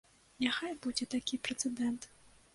Няхай будзе такі прэцэдэнт.